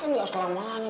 kan gak selama nih